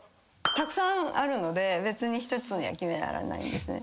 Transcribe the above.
たくさんあるので１つには決められないんですね。